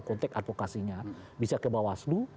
konteks advokasinya bisa ke bawah slu